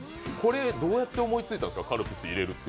どうやって思いついたんですか？